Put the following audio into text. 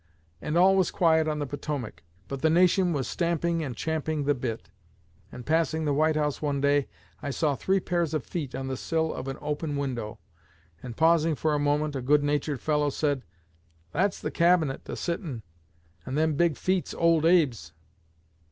And all was quiet on the Potomac; but the nation was stamping and champing the bit. And passing the White House one day, I saw three pairs of feet on the sill of an open window; and pausing for a moment, a good natured fellow said, 'That's the Cabinet a sittin', and _them big feet's old Abe's.'